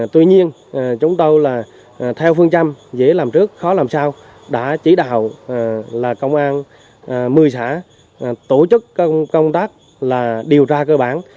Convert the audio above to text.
tuy nhiên chúng tôi là theo phương châm dễ làm trước khó làm sao đã chỉ đạo là công an một mươi xã tổ chức công tác là điều tra cơ bản